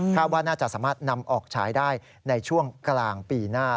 ว่าน่าจะสามารถนำออกฉายได้ในช่วงกลางปีหน้า